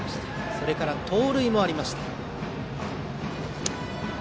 それから、盗塁もありました。